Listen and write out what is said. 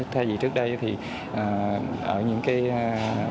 thay vì trước đây thì ở những điểm phân phối